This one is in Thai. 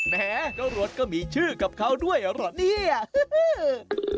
แม้จรวดก็มีชื่อกับเขาด้วยเหรอเนี่ยฮือ